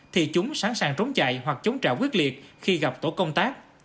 thì chúng sẵn sàng trốn chạy hoặc chống trả quyết liệt khi gặp tổ công tác